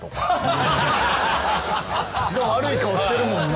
悪い顔してるもんね。